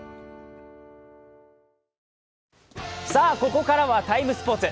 ここからは「ＴＩＭＥ，スポーツ」。